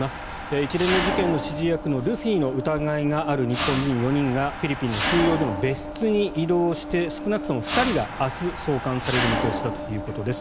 一連の事件の指示役のルフィの疑いがある日本人４人がフィリピンの収容所の別室に移動して少なくとも２人が明日送還される見通しだということです。